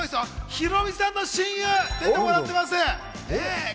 ヒロミさんの親友、出てもらってます。